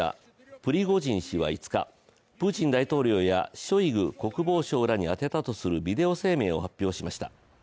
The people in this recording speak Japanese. プリゴジン氏は５日、プーチン大統領やショイグ国防相にあてたとしたビデオ声明を発表しました。